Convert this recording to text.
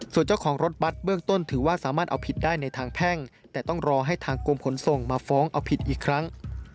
ส่วนเจ้าของรถบัตรเบื้องต้นถือว่าสามารถเอาผิดได้ในทางแพ่งแต่ต้องรอให้ทางกรมขนส่งมาฟ้องเอาผิดอีกครั้ง